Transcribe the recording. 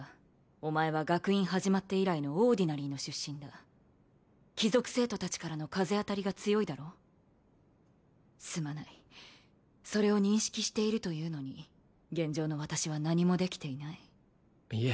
お前は学院始まって以来のオーディナリーの出身だ貴族生徒達からの風当たりが強いだろうすまないそれを認識しているというのに現状の私は何もできていないいえ